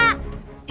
gunter tim bangpa